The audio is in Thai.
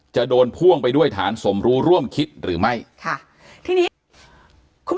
จะโดนพ่วงไปด้วยฐานสมรู้ร่วมคิดหรือไม่ค่ะทีนี้คุณ